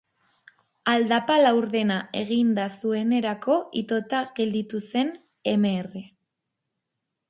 Aldapa laurdena eginda zuenerako itota gelditu zen Mr.